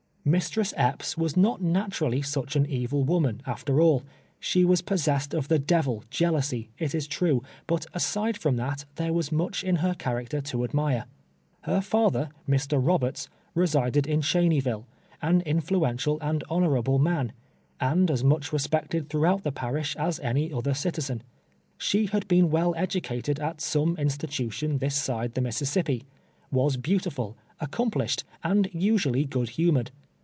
Mistress Epps was not naturally such an evil wo man, after all. She was possessed of the devil, jeal ousy, it is true, but aside from that, there was much in her character to admire. Her father, Mr, Roberts, resided in Cheney ville, an influential and honorable man, and as much respected throughout the parish as any other citizen. She had been avoII educated at some institution this side the Mississippi ; was beauti ful, accomplished, and usually good humored.